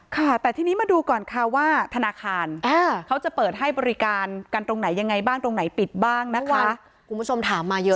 ค่ะแต่ทีนี้มาดูก่อนค่ะว่าธนาคารเขาจะเปิดให้บริการกันตรงไหนยังไงบ้างตรงไหนปิดบ้างนะคะ